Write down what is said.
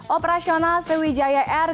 operasional sriwijaya air